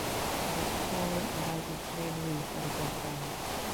It is tall and has its main roof at above ground.